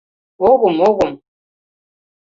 — Огым-огым.